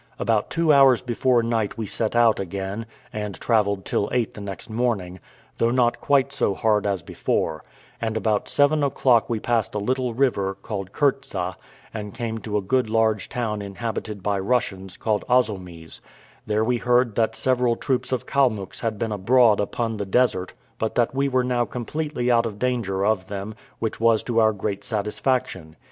About two hours before night we set out again, and travelled till eight the next morning, though not quite so hard as before; and about seven o'clock we passed a little river, called Kirtza, and came to a good large town inhabited by Russians, called Ozomys; there we heard that several troops of Kalmucks had been abroad upon the desert, but that we were now completely out of danger of them, which was to our great satisfaction.